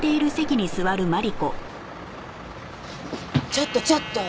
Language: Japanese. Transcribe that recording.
ちょっとちょっと。